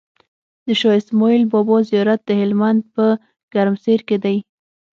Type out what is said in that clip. د شاهاسماعيل بابا زيارت دهلمند په ګرمسير کی دی